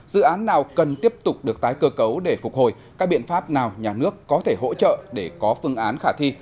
dự án nào cần tiếp tục được tái cơ cấu để phục hồi các biện pháp nào nhà nước có thể hỗ trợ để có phương án khả thi